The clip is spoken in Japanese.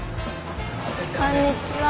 こんにちは。